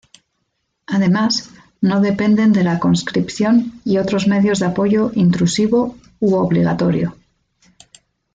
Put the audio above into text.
Además, no dependen de la conscripción y otros medios de apoyo intrusivo u obligatorio.